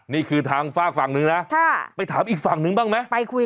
นี่คือทางฝากฝั่งนึงนะไปถามอีกฝั่งนึงบ้างไหม